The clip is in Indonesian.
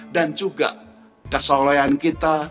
dan juga keselamatan kita